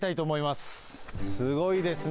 すごいですね。